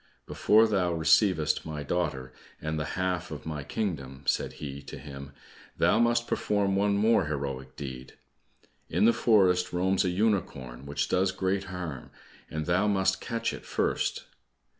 "Before thou receivest my daughter, and the half of my kingdom," said he to him, "thou must perform one more heroic deed. In the forest roams a unicorn which does great harm, and thou must catch it first."